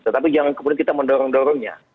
tetapi jangan kemudian kita mendorong dorongnya